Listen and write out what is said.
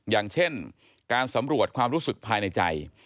อย่างเช่นการสำรวจความรู้สึกภายในใจ